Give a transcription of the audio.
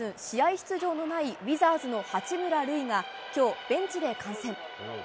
出場のないウィザーズの八村塁が今日、ベンチで観戦。